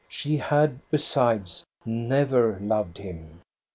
She had, besides, never loved him.